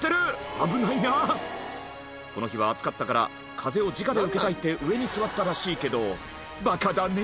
危ないなこの日は暑かったから風をじかで受けたいって上に座ったらしいけどバカだね